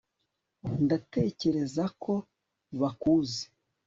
ndatekereza ko bakuzi